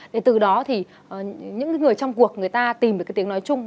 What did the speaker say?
để từ đó thì những người trong cuộc người ta tìm được cái tiếng nói chung